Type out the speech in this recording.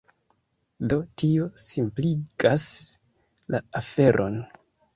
Do tio simpligas la aferon.